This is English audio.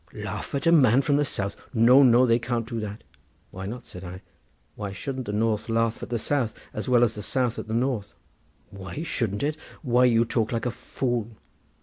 "Laugh at a man from the south! No, no; they can't do that." "Why not?" said I; "why shouldn't the north laugh at the south as well as the south at the north?" "Why shouldn't it? why, you talk like a fool.